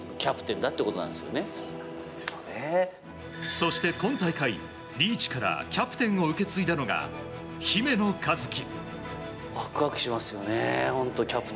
そして今大会、リーチからキャプテンを受け継いだのが姫野和樹。